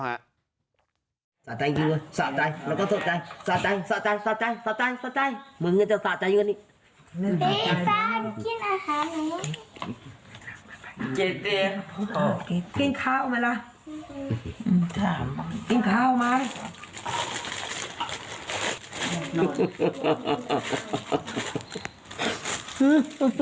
มีข้าวไหม